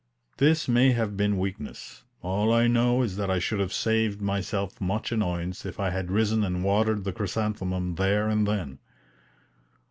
This may have been weakness; all I know is that I should have saved myself much annoyance if I had risen and watered the chrysanthemum there and then.